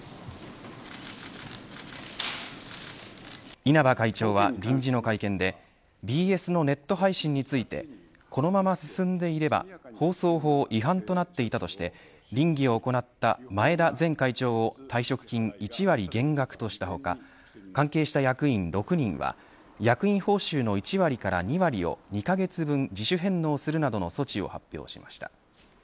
稲葉会長は臨時の会見でＢＳのネット配信についてこのまま進んでいれば放送法違反となっていたとして稟議を行った前田前会長を退職金１割、減額とした他関係した役員６人は役員報酬の１割から２割を２カ月分自主返納するなどの措置を発表しました。